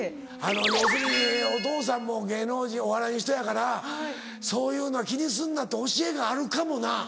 要するにお父さんも芸能人お笑いの人やからそういうのは気にすんなって教えがあるかもな。